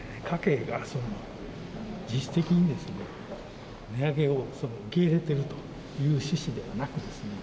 家計が実質的に値上げを受け入れているという趣旨ではなくてですね